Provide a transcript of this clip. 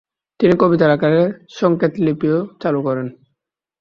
তিনি কবিতার আকারে সংকেত লিপিও চালু করেন।